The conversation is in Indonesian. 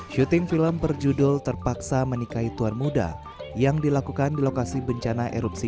syuting film berjudul terpaksa menikahi tuan muda yang dilakukan di lokasi bencana erupsi